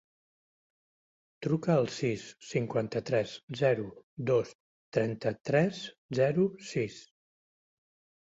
Truca al sis, cinquanta-tres, zero, dos, trenta-tres, zero, sis.